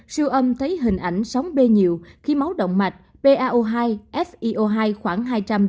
siêu âm thấy hình ảnh sóng b nhiều khí máu động mạch pao hai fio hai khoảng hai trăm linh ba trăm linh